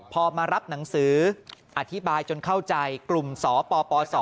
พอมารับหนังสืออธิบายจนเข้าใจกลุ่มสปส